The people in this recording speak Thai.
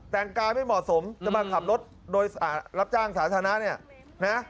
แต่งกายไม่เหมาะสมจะมาขับรถรับจ้างศาสนารดินี่